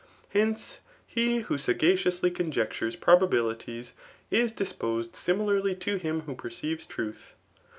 Hence, he who Gagacioualy ccmjectures probabilities^ ia: disposti (Similarly to htm who perceives truth.